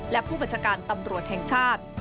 และผู้บัญชาการตำรวจแห่งชาติ